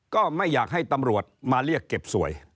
ก็ไม่อยากให้ตำรวจมาเรียกเก็บสวย